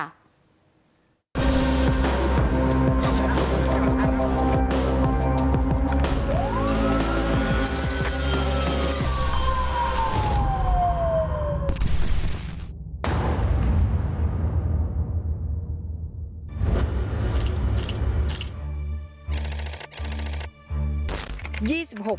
วิสามันอำทางค่ะ